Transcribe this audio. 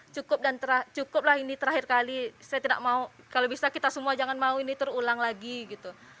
cukuplah ini terakhir kali saya tidak mau kalau bisa kita semua jangan mau ini terulang lagi gitu